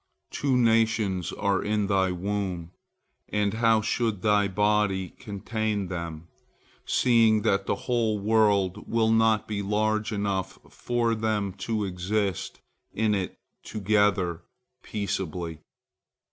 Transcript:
Two nations are in thy womb, and how should thy body contain them, seeing that the whole world will not be large enough for them to exist in it together peaceably?